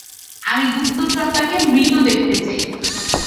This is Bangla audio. আমি গুপ্তচরটাকে মৃত দেখতে চাই।